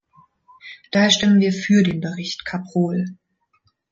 Daher stimmen wir für den Bericht Cabrol.